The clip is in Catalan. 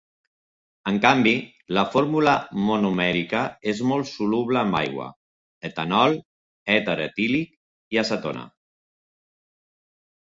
En canvi, la fórmula monomèrica és molt soluble en aigua, etanol, èter etílic i acetona.